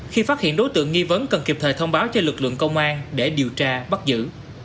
khi phát hiện đối tượng nghi vấn cần kịp thời thông báo cho lực lượng công an để điều tra bắt giữ